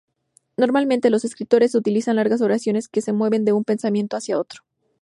Normalmente, los escritores utilizan largas oraciones que se mueven de un pensamiento hacia otro.